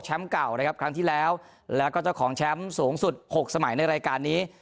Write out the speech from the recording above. เก่านะครับครั้งที่แล้วแล้วก็เจ้าของแชมป์สูงสุด๖สมัยในรายการนี้